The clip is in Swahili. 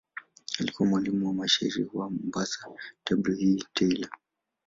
Alikuwa mwalimu wa mshairi wa Mombasa W. E. Taylor.